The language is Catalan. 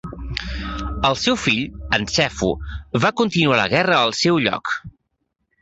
El seu fill, en Sefu, va continuar la guerra en lloc seu.